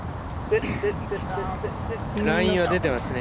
ラインは出てますね